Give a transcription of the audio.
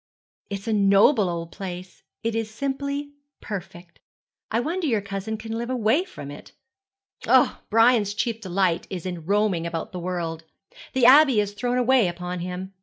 'It is a noble old place. It is simply perfect. I wonder your cousin can live away from it.' 'Oh, Brian's chief delight is in roaming about the world. The Abbey is thrown away upon him.